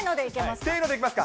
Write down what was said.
せーのでいきますか。